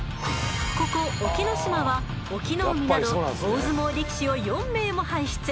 ここ隠岐の島は隠岐の海など大相撲力士を４名も輩出。